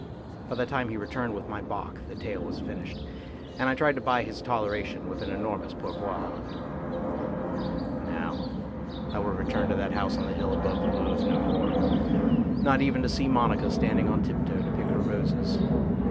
By the time he returned with my bock the tale was finished, and I tried to buy his toleration with an enormous pourboire. No ; I will return to that house on the hill above Woluwe no more, not even to see Monica standing on tiptoe to pick her roses.